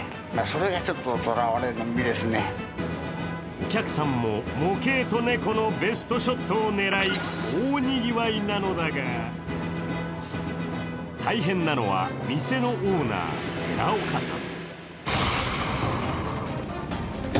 お客さんも模型と猫のベストショットを狙い、大にぎわいなのだが大変なのは店のオーナー、寺岡さん。